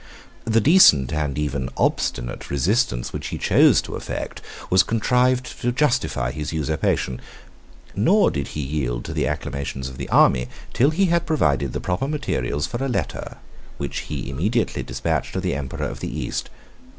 The decent and even obstinate resistance which he chose to affect, 16 was contrived to justify his usurpation; nor did he yield to the acclamations of the army, till he had provided the proper materials for a letter, which he immediately despatched to the emperor of the East.